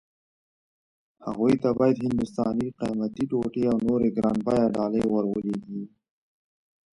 هغوی ته باید هندوستاني قيمتي ټوټې او نورې ګران بيه ډالۍ ور ولېږي.